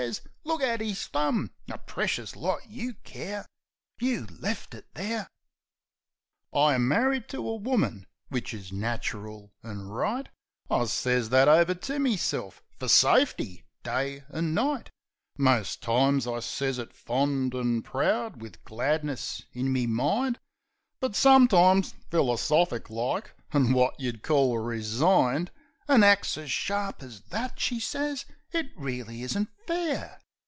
"Look at 'is thumb! A precious lot you care ! You left it there!" 8 Logic and Spotted Dog I am marri'd to a woman; which is nacheral an' right. I sez that over to meself, fer safety, day an' night. Most times I sez it fond an' proud wiv gladness in me mind; But sometimes philosophic like an' wot yeh'd call resigned. "An axe as sharp as that," she sez. "It reely isn't fair!